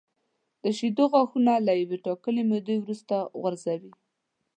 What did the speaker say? د شېدو غاښونه له یوې ټاکلې مودې وروسته غورځي.